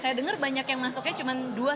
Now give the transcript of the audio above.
saya dengar banyak yang masuknya cuma dua